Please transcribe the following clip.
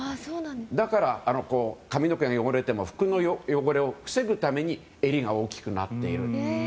だから、髪の毛が汚れても服の汚れを防ぐために襟が大きくなっていると。